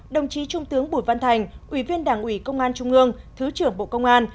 đồng chí trung tướng bùi văn thành ủy viên đảng ủy công an trung ương thứ trưởng bộ công an